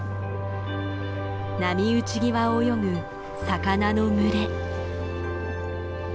波打ち際を泳ぐ魚の群れ。